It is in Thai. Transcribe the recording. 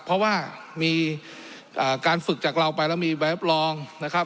เพราะว่ามีการฝึกจากเราไปแล้วมีใบรับรองนะครับ